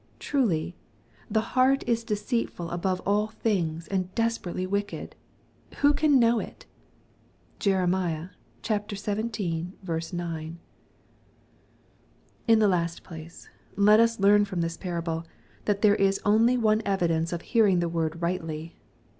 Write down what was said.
— Truly " the heart is deceitfUl above all things, and desperately wicked : who can know it ?" (Jerem, xvii. 9.) In the last place, let us learn from this parable, that there is only one evidence of hearing the word righUy.